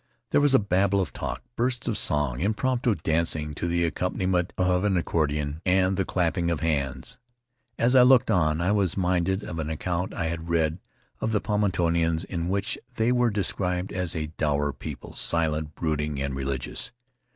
There was a babble of talk, bursts of song, impromptu dancing to the accom paniment of an accordion and the clapping of hands. As I looked on I was minded of an account I had read of the Paumotuans in which they were described as "a dour people, silent, brooding, and religious."